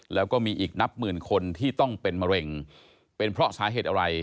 แล้วก็มีอีกนับหมื่นคนที่ต้องเป็นมะเร็งเป็นเพราะสาเหตุอะไร